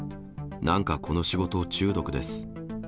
なんかこの仕事中毒です。